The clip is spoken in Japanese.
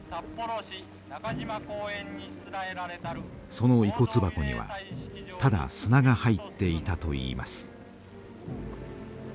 その遺骨箱にはただ砂が入っていたといいます。